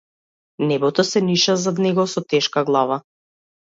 Небото се ниша зад него со тешка глава.